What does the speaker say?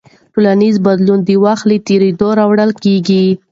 ټولنیز بدلون د وخت له تېرېدو راولاړېږي.